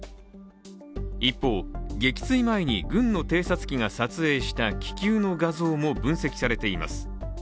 一方、撃墜前に軍の偵察機が撮影した気球の画像も分析されています。